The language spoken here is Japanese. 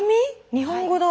日本語だ。